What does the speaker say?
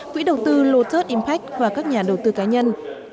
quỹ đầu tư lotus impac và các nhà đầu tư cá nhân